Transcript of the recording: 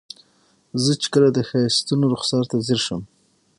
زه چې کله د ښایستونو رخسار ته ځیر شم.